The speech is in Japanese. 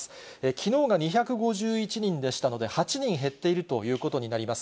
きのうが２５１人でしたので、８人減っているということになります。